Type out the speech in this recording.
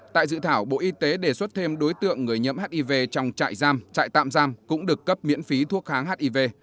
tại dự thảo bộ y tế đề xuất thêm đối tượng người nhiễm hiv trong trại giam trại tạm giam cũng được cấp miễn phí thuốc kháng hiv